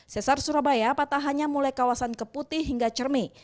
sesar surabaya patahannya mulai kawasan keputih hingga cermi